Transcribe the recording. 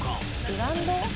ブランド？